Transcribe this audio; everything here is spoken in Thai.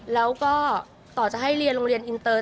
แล้วก็ต่อจะให้เรียนโรงเรียนอินเตอร์